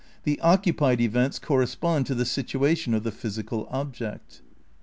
The occupied events correspond to the situation of the physical object."